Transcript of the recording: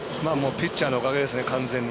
ピッチャーのおかげですね。